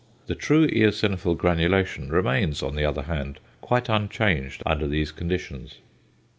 The true eosinophil granulation remains, on the other hand, quite unchanged under these conditions.